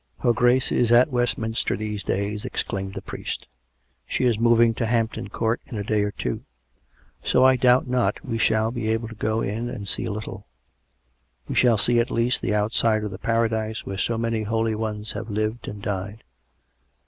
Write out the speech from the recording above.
" Her Grace is at Westminster these days," exclaimed the priest ;" she is moving to Hampton Court in a day or two ; so I doubt not we shall be able to go in and see a little. We shall see, at least, the outside of the Paradise where so many holy ones have lived and died.